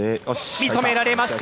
認められました